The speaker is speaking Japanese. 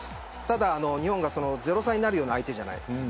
ただ日本が０対３になるような相手ではない。